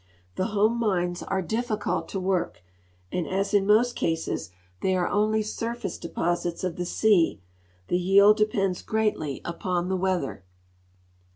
The home mines are difficult to work, and as in most cases they are only surface deposits of the .sea the yield <lepends greatly upon the weather.